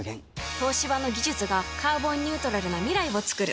東芝の技術がカーボンニュートラルな未来をつくる